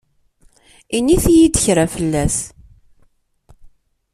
Init-yi-d kra fell-as.